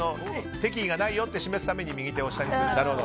敵意がないよと示すために右手を下にする。